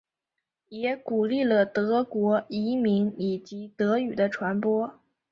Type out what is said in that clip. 也鼓励了德国移民以及德语的传播。